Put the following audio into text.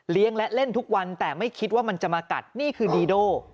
และเล่นทุกวันแต่ไม่คิดว่ามันจะมากัดนี่คือดีโด